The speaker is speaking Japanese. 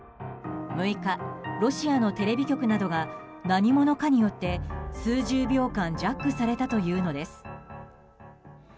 ６日、ロシアのテレビ局などが何者かによって数十秒間ジャックされたというのです。